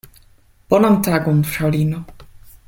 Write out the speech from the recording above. Bonan tagon, fraŭlino!